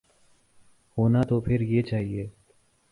ہونا تو پھر یہ چاہیے۔